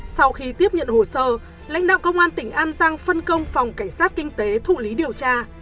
sau khi tiếp nhận hồ sơ lãnh đạo công an tỉnh an giang phân công phòng cảnh sát kinh tế thụ lý điều tra